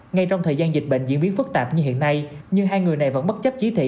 ngay trong thời gian dịch bệnh diễn biến phức tạp như hiện nay nhưng hai người này vẫn bất chấp chỉ thị